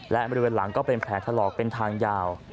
และบริเวณหลังก็เป็นแผลถลอกเป็นทางยาว